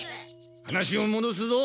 話をもどすぞ。